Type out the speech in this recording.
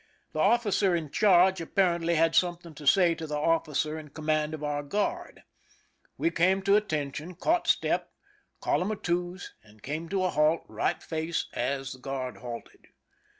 The officer in '215 THE SINKING OF THE "MEKRIMAC" charge apparently had something to say to the ofl&cer in command of our guard. We came to attention, caught step, column of twos, and came to a halt, right face, as the guard halted.